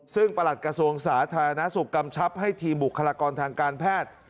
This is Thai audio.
ซึ่งประหลัดกระทรวงสาธารณสุขกำชับให้ทีมบุคลากรทางการแพทย์